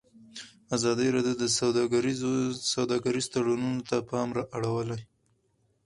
ازادي راډیو د سوداګریز تړونونه ته پام اړولی.